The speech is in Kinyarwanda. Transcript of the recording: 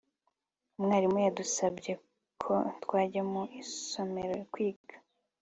umwarimu yadusabye ko twajya mu isomero kwiga